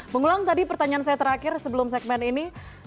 mengulang tadi pertanyaan saya terakhir sebelum segmen ini